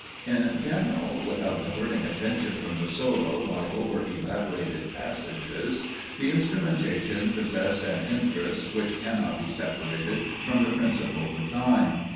In general, without diverting attention from the solo by over elaborated passages, the instrumentation possessed an interest which cannot be separated from the principal design.